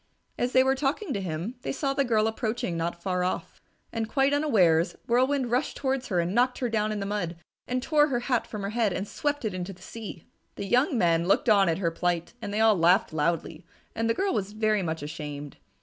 As they were talking to him, they saw the girl approaching not far off. And quite unawares, Whirlwind rushed towards her and knocked her down in the mud and tore her hat from her head and swept it into the sea. The young men looked on at her plight and they all laughed loudly, and the girl was very much ashamed.